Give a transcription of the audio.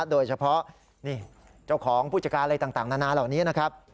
โดยเฉพาะนี่เจ้าของผู้จัดการอะไรต่างนานาเหล่านี้นะครับ